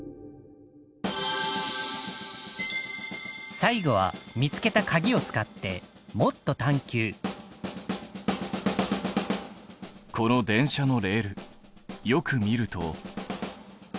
最後は見つけたかぎを使ってこの電車のレールよく見ると。